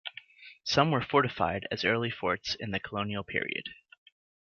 Some were fortified as early forts in the colonial period.